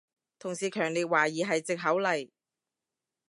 同事強烈懷疑係藉口嚟